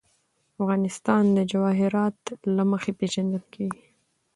افغانستان د جواهرات له مخې پېژندل کېږي.